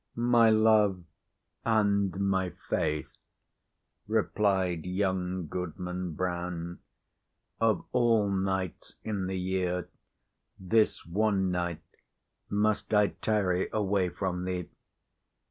"My love and my Faith," replied young Goodman Brown, "of all nights in the year, this one night must I tarry away from thee.